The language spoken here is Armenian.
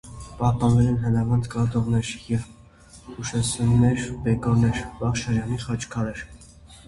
Պահպանվել են հնավանդ կոթողներ և հուշասյուների բեկորներ, վաղ շրջանի խաչքարեր։